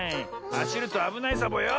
はしるとあぶないサボよ。